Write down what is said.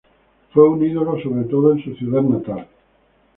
Fue un ídolo, sobre todo en su ciudad natal.